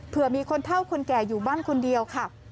เพื่อมีคนเท่าคนแก่อยู่บ้านคนเดียวค่ะ